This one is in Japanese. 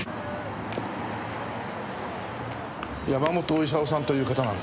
山本功さんという方なんですが。